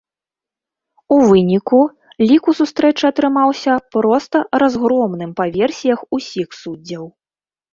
У выніку, лік у сустрэчы атрымаўся проста разгромным па версіях усіх суддзяў.